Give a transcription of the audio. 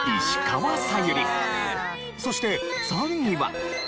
そして３位は。